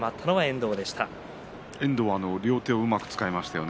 遠藤は両手をうまく使いましたね。